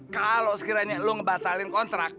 kalau sekiranya lo ngebatalin kontrak